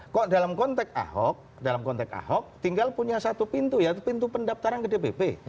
kalau dalam konteks ahok tinggal punya satu pintu yaitu pintu pendaftaran ke dpp